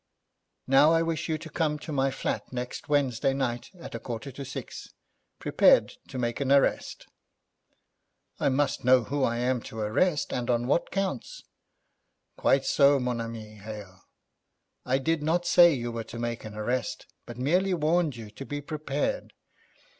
Now I wish you to come to my flat next Wednesday night at a quarter to six, prepared to make an arrest.' 'I must know who I am to arrest, and on what counts.' 'Quite so, mon ami Hale; I did not say you were to make an arrest, but merely warned you to be prepared.